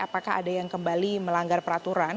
apakah ada yang kembali melanggar peraturan